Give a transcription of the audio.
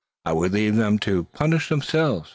I would leave them to punish themselves.